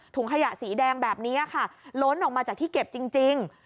ขยะสีแดงแบบนี้ค่ะล้นออกมาจากที่เก็บจริง